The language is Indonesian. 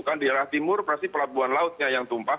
kan di arah timur pasti pelabuhan lautnya yang tumpah